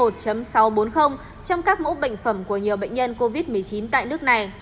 trong các mẫu bệnh phẩm của nhiều bệnh nhân covid một mươi chín tại nước này